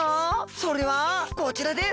それはこちらです！